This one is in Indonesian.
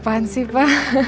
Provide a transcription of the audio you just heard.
apaan sih pa